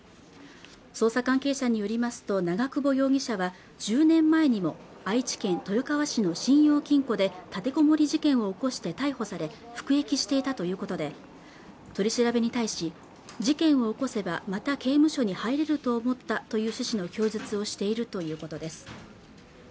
捜査関係者によりますと長久保容疑者は１０年前にも愛知県豊川市の信用金庫で立てこもり事件を起こして逮捕され服役していたということで取り調べに対し事件を起こせばまた刑務所に入れると思ったという趣旨の供述をしているということです